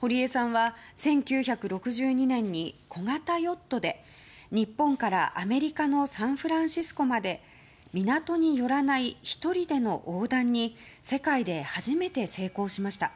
堀江さんは、１９６２年に小型ヨットで日本からアメリカのサンフランシスコまで港に寄らない１人での横断に世界で初めて成功しました。